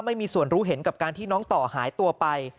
ไม่มีส่วนรู้เห็นกับการที่น้องต่อหายตัวไป